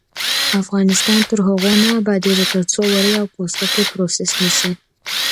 افغانستان تر هغو نه ابادیږي، ترڅو وړۍ او پوستکي پروسس نشي.